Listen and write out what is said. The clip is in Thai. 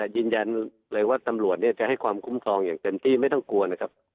ยืนยันเลยว่าตำรวจจะให้ความคุ้มครองอย่างเต็มที่ไม่ต้องกลัวนะครับ